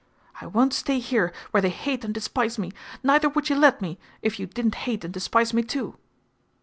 I won't stay here, where they hate and despise me! Neither would you let me, if you didn't hate and despise me too!"